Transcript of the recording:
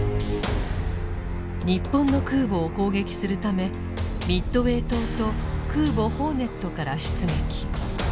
日本の空母を攻撃するためミッドウェー島と空母「ホーネット」から出撃。